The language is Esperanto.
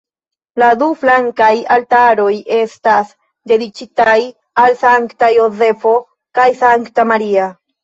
La du flankaj altaroj estas dediĉitaj al Sankta Jozefo kaj Sankta Maria.